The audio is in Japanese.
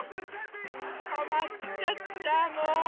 つかまっちゃったもう！